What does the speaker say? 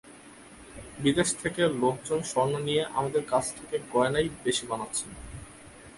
বিদেশ থেকে লোকজন স্বর্ণ দিয়ে আমাদের কাছ থেকে গয়নাই বেশি বানাচ্ছেন।